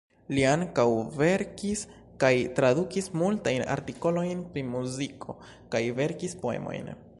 Li ankaŭ verkis kaj tradukis multajn artikolojn pri muziko kaj verkis poemojn.